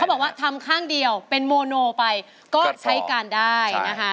บอกว่าทำข้างเดียวเป็นโมโนไปก็ใช้การได้นะคะ